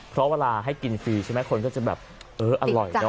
เพราะเวลาให้กินฟรีใช่ไหมคนก็จะแบบเอออร่อยเนอ